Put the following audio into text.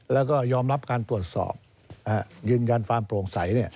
แล้วก็ยอมรับการตรวจสอบยืนยันความโปร่งใส